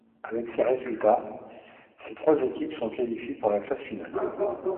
Avec ces résultats, ces trois équipes se qualifient pour la phase finale.